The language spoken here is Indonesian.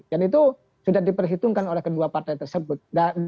dan itu sudah diperhitungkan oleh kedua partai tersebut